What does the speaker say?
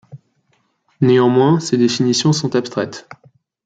Néanmoins, ces définitions sont abstraites.